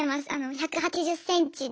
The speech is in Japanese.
１８０ｃｍで。